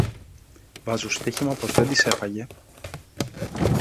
Βάζω στοίχημα πως δεν τις έφαγε!